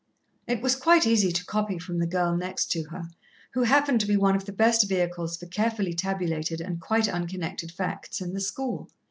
It was quite easy to copy from the girl next her, who happened to be one of the best vehicles for carefully tabulated and quite unconnected facts, in the school.